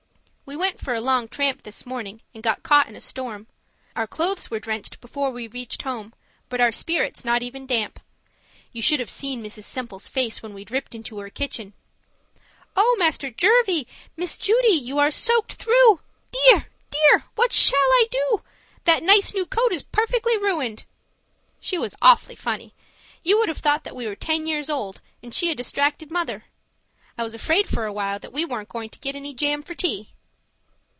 We went for a long tramp this morning and got caught in a storm. Our clothes were drenched before we reached home but our spirits not even damp. You should have seen Mrs. Semple's face when we dripped into her kitchen. 'Oh, Master Jervie Miss Judy! You are soaked through. Dear! Dear! What shall I do? That nice new coat is perfectly ruined.' She was awfully funny; you would have thought that we were ten years old, and she a distracted mother. I was afraid for a while that we weren't going to get any jam for tea.